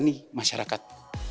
ini kebanyakan masyarakat